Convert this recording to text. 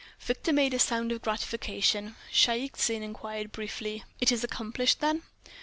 Victor made a sound of gratification. Shaik Tsin enquired briefly: "It is accomplished, then?"